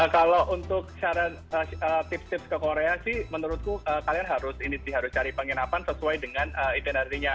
kalau untuk tips tips ke korea sih menurutku kalian harus cari penginapan sesuai dengan event harinya